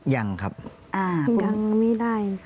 ยังครับยังไม่ได้